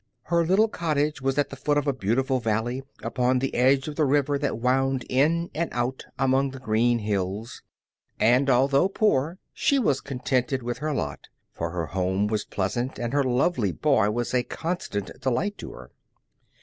Her little cottage was at the foot of a beautiful valley, upon the edge of the river that wound in and out among the green hills; and although poor, she was contented with her lot, for her home was pleasant and her lovely boy was a constant delight to her.